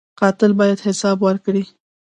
قاتل باید حساب ورکړي